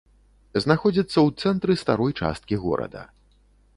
Знаходзіцца ў цэнтры старой часткі горада.